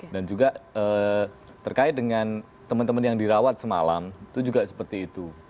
dan juga terkait dengan teman teman yang dirawat semalam itu juga seperti itu